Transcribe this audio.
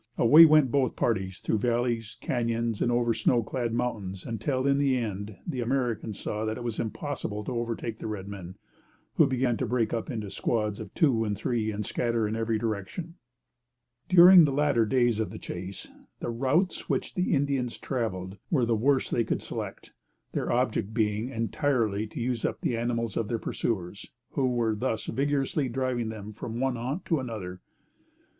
Away went both parties through valleys, cañons, and over snow clad mountains, until, in the end, the Americans saw that it was impossible to overtake the red men, who began to break up into squads of two and three and scatter in every direction. During the latter days of the chase, the routes which the Indians traveled were the worst they could select; their object being, entirely to use up the animals of their pursuers, who were thus vigorously driving them from one haunt to another.